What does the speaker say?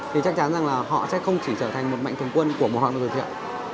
thì chắc chắn rằng là họ sẽ không chỉ trở thành một mệnh thường quân của một hoạt động từ thiện